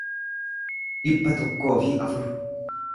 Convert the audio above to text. dhibba tokkoo fi afur